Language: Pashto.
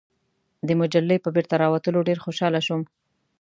د مجلې په بیرته راوتلو ډېر خوشاله شوم.